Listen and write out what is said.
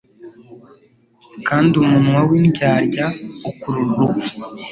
kandi umunwa w’indyarya ukurura urupfu